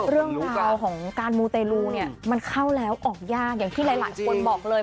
เรื่องราวของการมูเตลูเนี่ยมันเข้าแล้วออกยากอย่างที่หลายคนบอกเลย